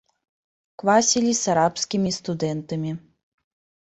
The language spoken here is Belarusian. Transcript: Квасілі з арабскімі студэнтамі.